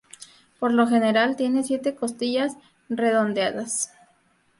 Por lo general, tiene siete costillas redondeadas.